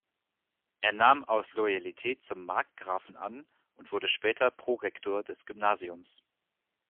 Er nahm aus Loyalität zum Markgrafen an und wurde später Pro-Rektor des Gymnasiums.